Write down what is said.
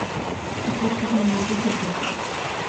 উপর থেকে নির্দেশ এসেছে।